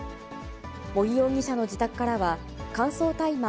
茂木容疑者の自宅からは、乾燥大麻